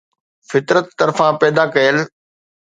فطرت طرفان پيدا ڪيل